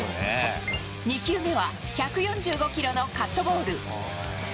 ２球目は１４５キロのカットボール。